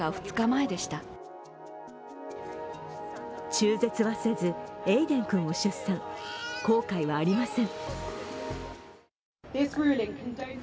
中絶はせずエイデン君を出産、後悔はありません。